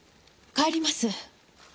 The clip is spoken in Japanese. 帰ります。